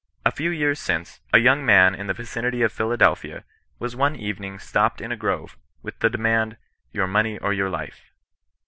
" A few years since, a young man in the vicinity of Philadelphia, was one evening stopped in a grove, with the demand, * Your money, or your life.'